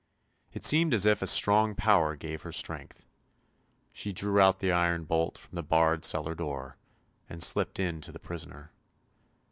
It seemed as if a strong power gave her strength. She drew out the iron bolt from the barred cellar door, and slipped in to the prisoner.